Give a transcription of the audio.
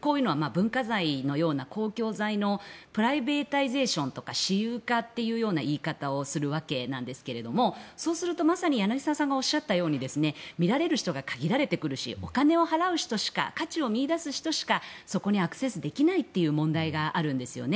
こういうのは文化財のような公共財のプライベイターゼーションとか私有化というような言い方をするわけなんですけれどもそうするとまさに柳澤さんがおっしゃったように見られる人が限られてくるし価値を見いだす人しかそこにアクセスできないという問題があるんですよね。